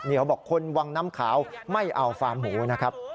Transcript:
เดี๋ยวบอกคนวังน้ำขาวไม่เอาฟาร์มหมูนะครับ